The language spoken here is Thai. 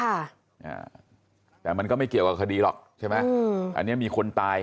อ่าแต่มันก็ไม่เกี่ยวกับคดีหรอกใช่ไหมอืมอันเนี้ยมีคนตาย